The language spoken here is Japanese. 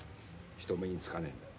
人目につかねえんだよ。